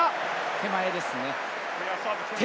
手前ですね。